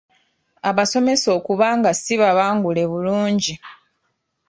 Abasomesa okuba nga si babangule bulungi.